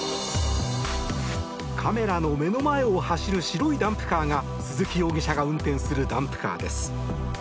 カメラの目の前を走る白いダンプカーが鈴木容疑者が運転するダンプカーです。